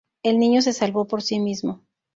El niño se salvó por sí mismo.